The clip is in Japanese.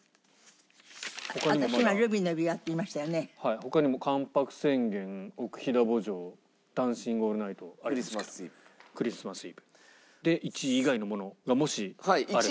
他にも『関白宣言』『奥飛騨慕情』『ダンシング・オールナイト』『クリスマス・イブ』。で１位以外のものがもしあれば。